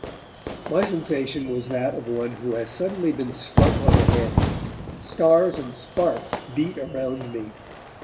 My sensation was that of one who has suddenly been struck on the head; stars and sparks beat around me.